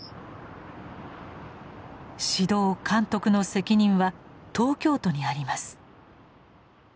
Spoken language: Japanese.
指導監督の責任は東京都にあります。